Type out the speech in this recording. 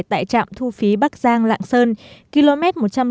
tại trạm thu phí bắc giang lạng sơn km một trăm linh bốn